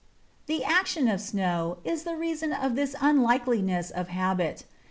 ] The action of snow is the reason of this unlikeness of habit.